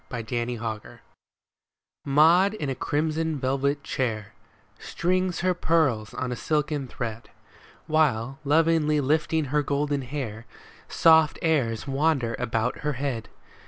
MAUD AND MADGE Maud in a crimson velvet chair Strings her pearls on a silken thread, While, lovingly lifting her golden hair, Soft airs wander about her head.